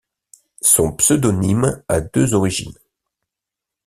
Son pseudonyme a deux origines.